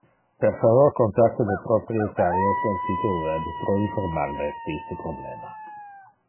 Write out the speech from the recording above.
Per favor contacta le proprietarios del sito web pro informar les de iste problema.